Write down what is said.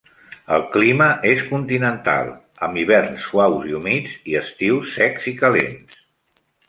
El clima és continental, amb hiverns suaus i humits i estius secs i calents.